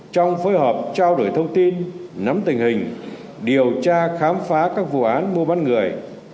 trong phối hợp trao đổi thông tin nắm tình hình điều tra khám phá các vụ án mua bán người